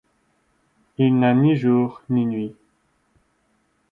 Il n’a ni jours ni nuits.